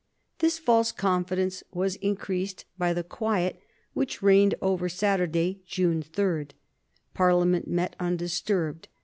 This false confidence was increased by the quiet which reigned over Saturday, June 3. Parliament met undisturbed.